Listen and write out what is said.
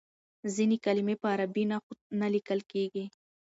ځینې کلمې په عربي نښو نه لیکل کیږي.